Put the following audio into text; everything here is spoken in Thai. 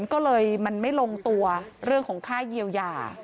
ก็เลยมันไม่ลงตัวเรื่องของค่าเยียวยา